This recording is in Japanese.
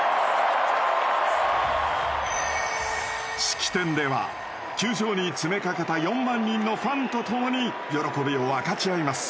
式典では球場に詰めかけた４万人のファンと共に喜びを分かち合います。